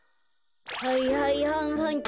はいはいはんはん。